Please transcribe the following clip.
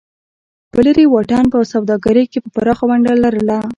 په لرې واټن په سوداګرۍ کې یې پراخه ونډه لرله.